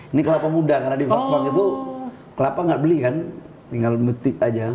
ini kelapa muda karena di fatwang itu kelapa nggak beli kan tinggal metik aja